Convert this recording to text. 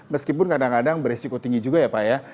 meskipun kadang kadang beresiko tinggi juga ya pak ya